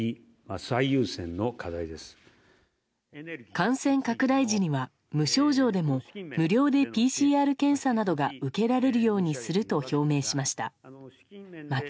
感染拡大時には無症状でも無料でＰＣＲ検査などが受けられるようにすると表明しました。